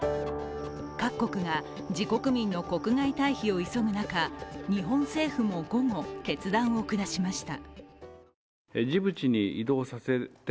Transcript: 各国が自国民の国外退避を急ぐ中、日本政府も午後、決断を下しました。